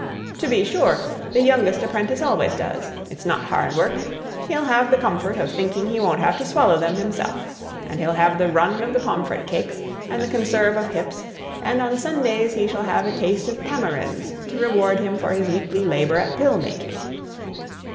"To be sure. The youngest apprentice always does. It's not hard work. He'll have the comfort of thinking he won't have to swallow them himself. And he'll have the run of the pomfret cakes, and the conserve of hips, and on Sundays he shall have a taste of tamarinds to reward him for his weekly labour at pill making."